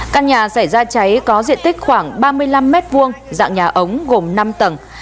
căn nhà xảy ra cháy có diện tích khoảng ba mươi năm m hai dạng nhà ống gồm năm tầng